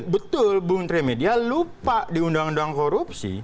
betul bung trimedia lupa di undang undang korupsi